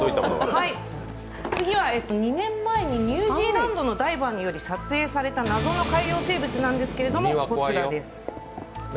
次は、２年前にニュージーランドのダイバーによって撮影された謎の海洋生物なんですが、こちらです。